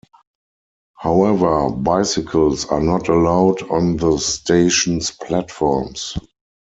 However, bicycles are not allowed on the station's platforms.